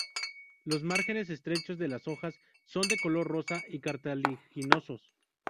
Los márgenes estrechos de las hojas son de color rosa y cartilaginosos.